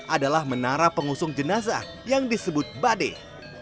adalah menara pengusung jenazah yang disebut badeh